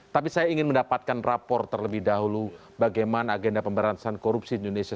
tapi saya ingin mendapatkan rapor terlebih dahulu bagaimana agenda pemberantasan korupsi di indonesia